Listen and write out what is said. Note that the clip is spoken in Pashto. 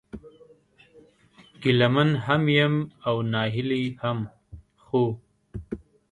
ګيله من هم يم او ناهيلی هم ، خو